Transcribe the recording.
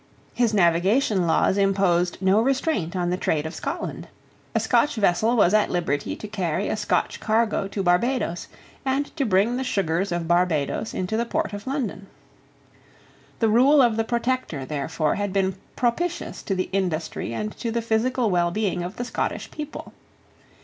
His navigation laws imposed no restraint on the trade of Scotland. A Scotch vessel was at liberty to carry a Scotch cargo to Barbadoes, and to bring the sugars of Barbadoes into the port of London, The rule of the Protector therefore had been propitious to the industry and to the physical wellbeing of the Scottish people.